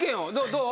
どう？